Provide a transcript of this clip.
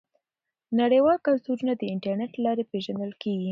نړیوال کلتورونه د انټرنیټ له لارې پیژندل کیږي.